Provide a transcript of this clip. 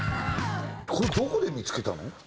これどこで見付けたの？